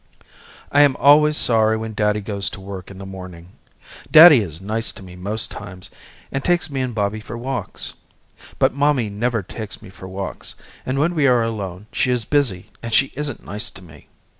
I am always sorry when daddy goes to work in the morning. Daddy is nice to me most times and takes me and Bobby for walks. But mommy never takes me for walks and when we are alone she is busy and she isn't nice to me.